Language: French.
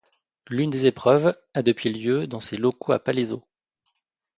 L'une des épreuves a depuis lieu dans ses locaux à Palaiseau.